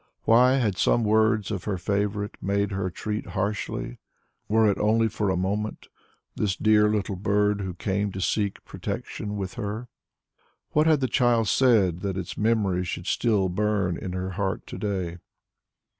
Why had some words of her favourite made her treat harshly, were it only for a moment, this dear little bird who came to seek protection with her? What had the child said that its memory should still burn in her heart to day?